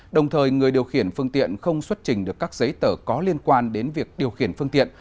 đồng thời người điều khiển phương tiện không xuất trình được các giấy tờ có liên quan đến việc điều khiển phương tiện